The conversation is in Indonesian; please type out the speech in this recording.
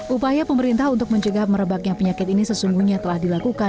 upaya pemerintah untuk mencegah merebaknya penyakit ini sesungguhnya telah dilakukan